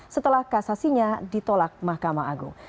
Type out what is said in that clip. setelah kasasinya ditolak mahkamah agung